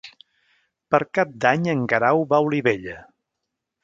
Per Cap d'Any en Guerau va a Olivella.